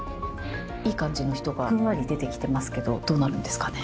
いい感じの人がふんわり出てきてますけどどうなるんですかね。